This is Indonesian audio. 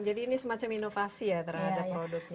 jadi ini semacam inovasi ya terhadap produk